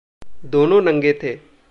दोनों नंगे थे।